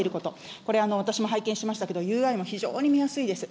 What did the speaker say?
これ、私も拝見しましたけど、も非常に見やすいです。